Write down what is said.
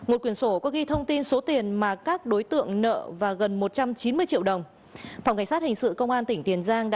một quyển sổ có ghi thông tin số tiền mà các đối tượng nợ và gần một trăm chín mươi triệu đồng